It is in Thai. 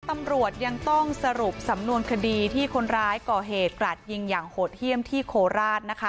ตำรวจยังต้องสรุปสำนวนคดีที่คนร้ายก่อเหตุกราดยิงอย่างโหดเยี่ยมที่โคราชนะคะ